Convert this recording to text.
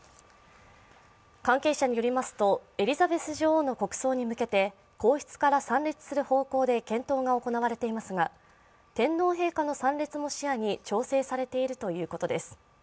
関係者によりますとエリザベス女王の国葬に向けて皇室から参列する方向で検討が行われていますが天皇陛下の参列も視野に調整されているということです。